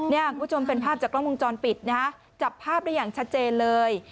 คุณผู้ชมเป็นภาพจากกล้องวงจรปิดนะฮะจับภาพได้อย่างชัดเจนเลย